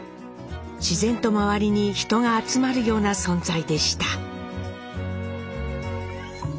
自然と周りに人が集まるような存在でした。